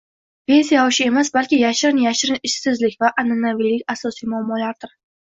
Pensiya yoshi emas, balki yashirin yashirin ishsizlik va an'anaviylik asosiy muammolardir